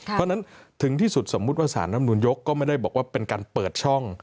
เพราะฉะนั้นถึงที่สุดสมมุติว่าสารน้ำนูนยกก็ไม่ได้บอกว่าเป็นการเปิดช่อง